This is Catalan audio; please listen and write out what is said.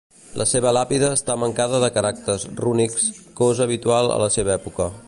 La seva làpida està mancada de caràcters rúnics, cosa habitual a la seva època.